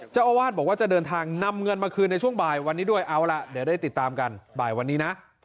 เจ้าอาวาสบอกว่าจะเดินทางนำเงินมาคืนในช่วงบ่ายวันนี้ด้วยเอาล่ะเดี๋ยวได้ติดตามกันบ่ายวันนี้นะ